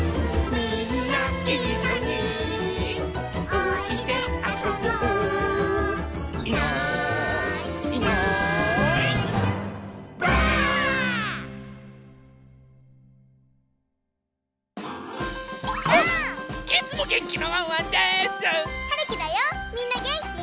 みんなげんき？